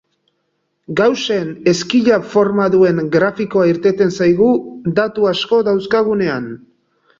Gaussen ezkila forma duen grafikoa irteten zaigu datu asko dauzkagunean.